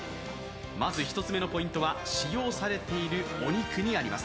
まず１つ目のポイントは使用されているお肉にあります。